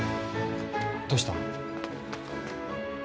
どうしたの？